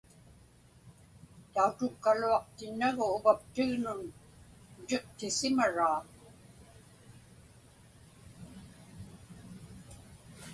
Tautukkaluaqtinnagu uvaptignun utiqtisimaraa.